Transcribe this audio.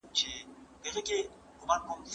پور ورکولو سیستم د کروندګرو لپاره شتون نه لري.